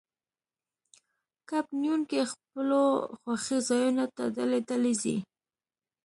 کب نیونکي خپلو خوښې ځایونو ته ډلې ډلې ځي